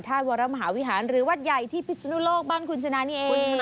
วรมหาวิหารหรือวัดใหญ่ที่พิศนุโลกบ้านคุณชนะนี่เอง